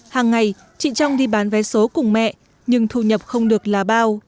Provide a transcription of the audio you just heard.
hàng ngày chị trong đi bán vé số cùng mẹ nhưng thu nhập không được là bao